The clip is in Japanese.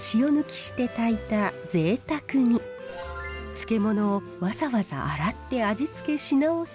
漬物をわざわざ洗って味付けし直す